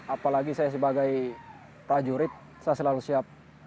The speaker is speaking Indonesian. apalagi saya sebagai prajurit saya selalu siap